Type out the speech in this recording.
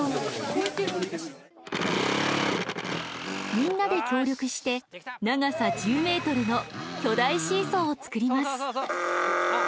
みんなで協力して長さ１０メートルの巨大シーソーを作ります。